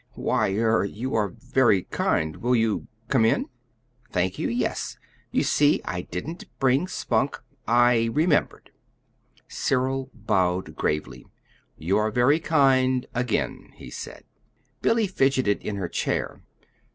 "Why, er you are very kind. Will you come in?" "Thank you; yes. You see, I didn't bring Spunk. I remembered." Cyril bowed gravely. "You are very kind again," he said. Billy fidgeted in her chair.